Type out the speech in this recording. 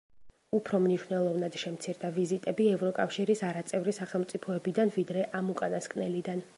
უფრო მნიშვნელოვნად შემცირდა ვიზიტები ევროკავშირის არაწევრი სახელმწიფოებიდან, ვიდრე ამ უკანასკნელიდან.